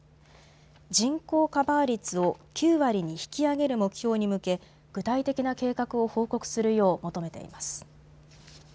人口カバー率を９割に引き上げる目標に向け、具体的な計画を報告するよう求めています。